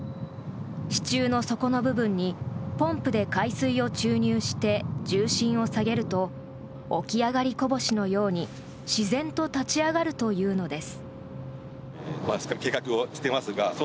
支柱の底の部分にポンプで海水を注入して重心を下げると起き上がりこぼしのように自然と立ち上がるというのです。